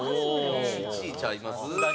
１位ちゃいます？